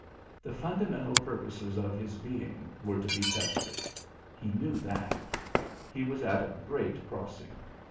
The fundamental purposes of his being were to be tested. He knew that. He was at a great crossing.